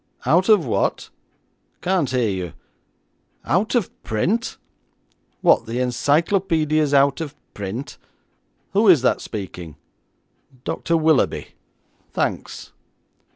Out of what? Can't hear you. Out of print. What, the encyclopaedia's out of print? Who is that speaking? Dr. Willoughby; thanks.'